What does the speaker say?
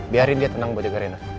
biarin dia tenang buat jaga renek